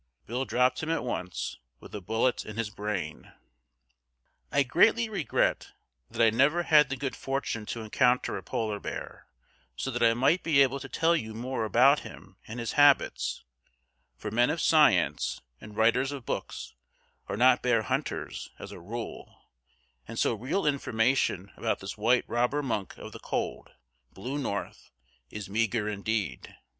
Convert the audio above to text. Bill dropped him at once, with a bullet in his brain. I greatly regret that I never had the good fortune to encounter a Polar bear, so that I might be able to tell you more about him and his habits; for men of science and writers of books are not bear hunters, as a rule, and so real information about this white robber monk of the cold, blue north is meager indeed.